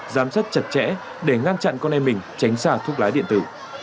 giám sát chặt chẽ để ngăn chặn con em mình tránh xa thúc lá điện tử